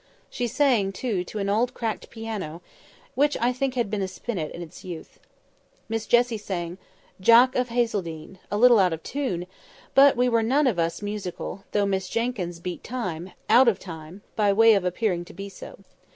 She sang, too, to an old cracked piano, which I think had been a spinet in its youth. Miss Jessie sang, "Jock of Hazeldean" a little out of tune; but we were none of us musical, though Miss Jenkyns beat time, out of time, by way of appearing to be so.